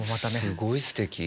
すごいすてき。